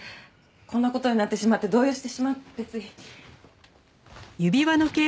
こんな事になってしまって動揺してしまってつい。